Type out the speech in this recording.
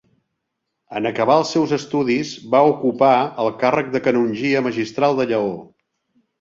En acabar els seus estudis va ocupar el càrrec de canongia magistral de Lleó.